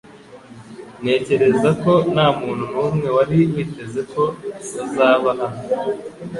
Ntekereza ko ntamuntu numwe wari witeze ko uzaba hano